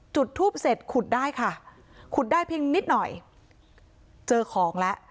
จุดทูปเสร็จขุดได้ค่ะขุดได้เพียงนิดหน่อยเจอของแล้ว